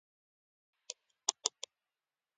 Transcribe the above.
• له تا پرته هر څه بېمانا دي.